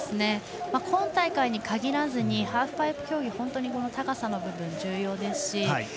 今大会に限らずにハーフパイプ競技は本当に高さの部分が重要ですし。